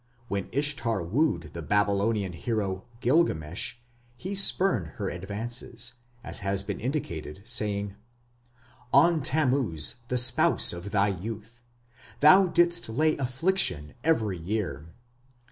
When Ishtar wooed the Babylonian hero, Gilgamesh, he spurned her advances, as has been indicated, saying: On Tammuz, the spouse of thy youth, Thou didst lay affliction every year.